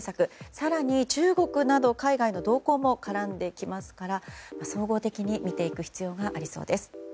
更に、中国など海外の動向も絡んできますから総合的に見ていく必要がありそうです。